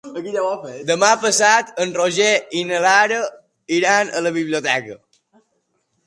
Demà passat en Roger i na Lara iran a la biblioteca.